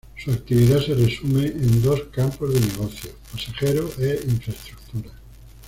Su actividad se resume en dos campos de negocio: Pasajeros e infraestructura.